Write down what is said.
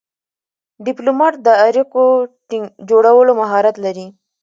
ډيپلومات د اړیکو جوړولو مهارت لري.